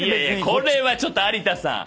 これはちょっと有田さん。